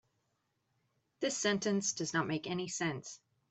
This sentence does not make any sense.